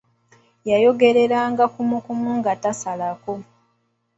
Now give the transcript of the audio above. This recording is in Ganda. Yayogeranga kumu kumu nga tasalako.